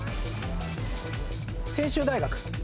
専修大学。